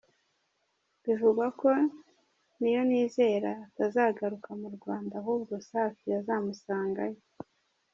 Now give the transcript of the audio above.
Bivugwa ko Niyonizera atazagaruka mu Rwanda ahubwo Safi azamusangayo.